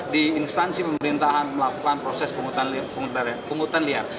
di instansi pemerintahan melakukan proses penghutan liar